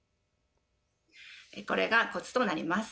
これがコツとなります。